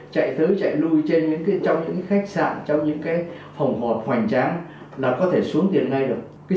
chạy tới chạy lui trên những cái trong những cái khách sạn trong những cái phòng họp hoành tráng là có thể xuống tiền ngay được